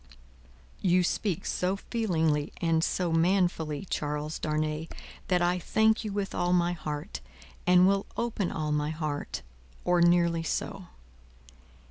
"You speak so feelingly and so manfully, Charles Darnay, that I thank you with all my heart, and will open all my heart or nearly so.